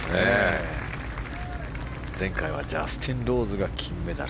前回は、ジャスティン・ローズが金メダル。